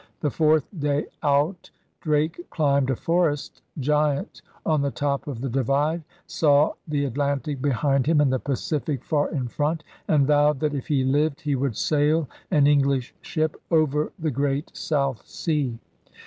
The fourth day out Drake climbed a forest giant on the top of the Divide, saw the Atlantic behind him and the Pacific far in front, and vowed that if he lived he would sail an English ship over the great South Sea.